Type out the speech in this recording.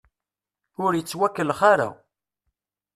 Ur ittwakellex ara.